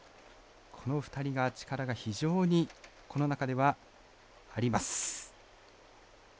この２人が、力が非常にこの中ではあります。